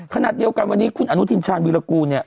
ขณะเดียวกันวันนี้คุณอนุทินชาญวีรกูลเนี่ย